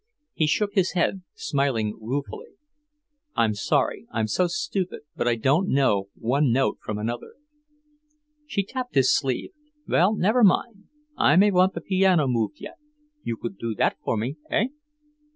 He shook his head, smiling ruefully. "I'm sorry I'm so stupid, but I don't know one note from another." She tapped his sleeve. "Well, never mind. I may want the piano moved yet; you could do that for me, eh?"